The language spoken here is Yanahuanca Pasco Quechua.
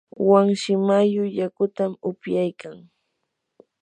wanshi mayu yakutam upyaykan.